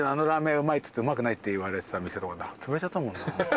うまいっつってうまくないって言われてた店とかつぶれちゃったもんな。